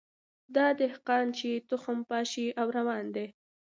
دا دهقان چي تخم پاشي او روان دی